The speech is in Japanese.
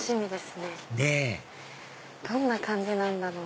ねぇどんな感じなんだろう。